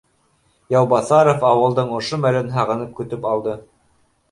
Яубаҫаров ауылдың ошо мәлен һағынып көтөп алды